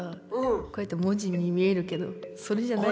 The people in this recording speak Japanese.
こうやって文字に見えるけどそれじゃない？